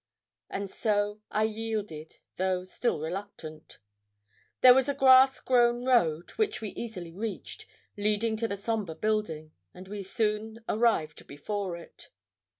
And so I yielded, though still reluctant. There was a grass grown road, which we easily reached, leading to the sombre building, and we soon arrived before it.